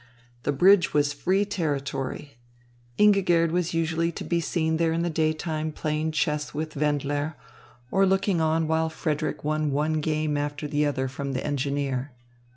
The bridge was free territory. Ingigerd was usually to be seen there in the daytime playing chess with Wendler, or looking on while Frederick won one game after the other from the engineer.